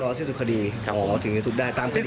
รอสิ้นสุดคดีถึงจะทุบได้ตามสิ้นสุด